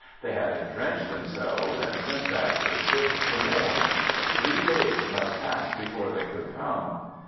They had entrenched themselves and sent back to the ships for more. Three days must pass before they could come.